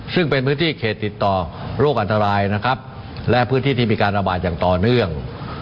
ซึ่งเป็นพื้นที่เขตติดต่อโรคอันตรายนะครับและพื้นที่ที่มีการระบาดอย่างต่อเนื่อง